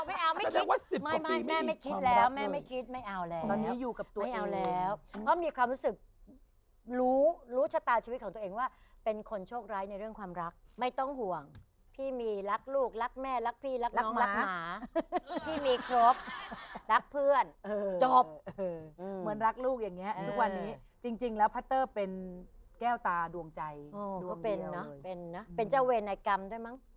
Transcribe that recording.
ไม่เอาหรอกไม่เอาไม่คิดแม่ไม่คิดแล้วแม่ไม่คิดไม่เอาแล้วตอนนี้อยู่กับตัวเองไม่เอาแล้วเพราะมีความรู้สึกรู้ชะตาชีวิตของตัวเองว่าเป็นคนโชคไร้ในเรื่องความรักไม่ต้องห่วงพี่มีรักลูกรักแม่รักพี่รักน้องรักหมาพี่มีครบรักเพื่อนจบเหมือนรักลูกอย่างเงี้ยทุกวันนี้จริงแล้วพัตเตอร์เป็นแก้วต